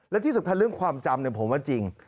และที่สำคัญเรื่องความจำผมว่าจริง